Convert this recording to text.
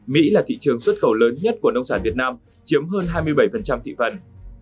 mỹ là thị trường xuất khẩu lớn nhất của nông sản việt nam chiếm hơn hai mươi bảy thị phần